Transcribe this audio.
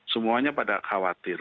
semuanya pada khawatir